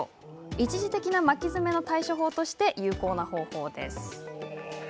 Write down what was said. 一時的な巻き爪の対処法として有効な方法です。